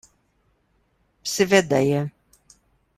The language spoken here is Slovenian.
Seveda je.